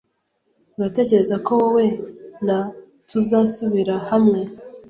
Uratekereza ko wowe na tuzasubira hamwe?